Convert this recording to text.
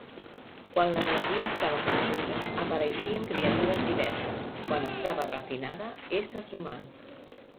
Quan l'energia estava confusa, apareixien criatures diverses, quan estava refinada, éssers humans.